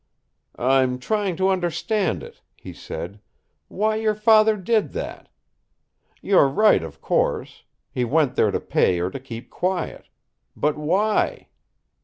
"I'm trying to understand it," he said; "why your father did that. You're right, of course. He went there to pay her to keep quiet. But why?"